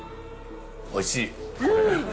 おいしい！